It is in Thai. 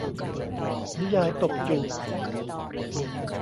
นิยายตบจูบ